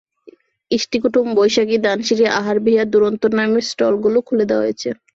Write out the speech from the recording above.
ইষ্টিকুটুম, বৈশাখী, ধানসিঁড়ি, আহার বিহার, দুরন্ত নামের স্টলগুলো খুলে দেওয়া হয়েছে।